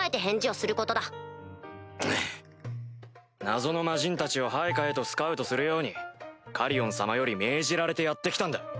謎の魔人たちを配下へとスカウトするようにカリオン様より命じられてやって来たんだ。